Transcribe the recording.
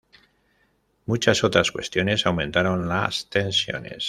Muchas otras cuestiones aumentaron las tensiones.